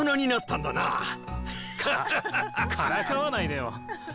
からかわないでよ。